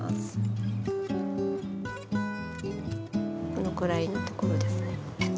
このくらいのところですね